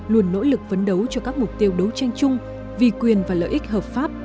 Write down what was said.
luôn nỗ lực vấn đấu cho các mục tiêu đấu tranh chung vì quyền và lợi ích hợp pháp